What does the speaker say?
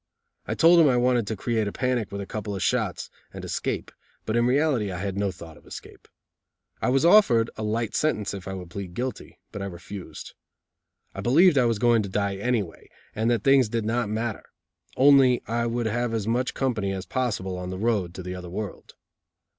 I told him I wanted to create a panic with a couple of shots, and escape, but in reality I had no thought of escape. I was offered a light sentence, if I would plead guilty, but I refused. I believed I was going to die anyway, and that things did not matter; only I would have as much company as possible on the road to the other world.